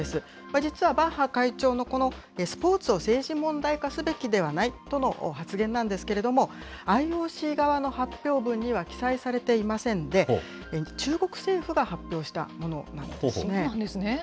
実はバッハ会長のこのスポーツを政治問題化すべきではないとの発言なんですけれども、ＩＯＣ側の発表文には記載されていませんで、中国政府が発表したものなんですね。